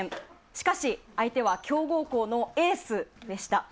しかし、相手は強豪校のエースでした。